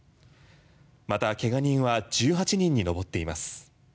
またけが人は１８人に上っています。